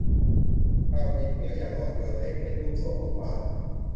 เกลาดินเหนียวอย่างอ่อนโยนให้เป็นรูปทรงลูกบาศก์